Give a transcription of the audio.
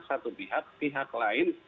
satu pihak pihak lain